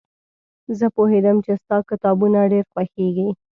زه پوهېدم چې ستا کتابونه ډېر خوښېږي.